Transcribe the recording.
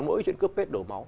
mỗi chuyện cướp phết đổ máu